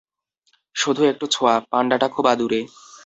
শুধু একটু ছোঁয়া, পান্ডাটা খুব আদুরে!